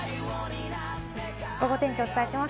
ゴゴ天気をお伝えします。